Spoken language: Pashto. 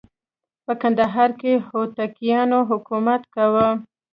په کندهار کې هوتکیانو حکومت کاوه.